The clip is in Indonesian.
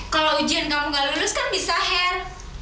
kalau ujian kamu gak lulus kan bisa hair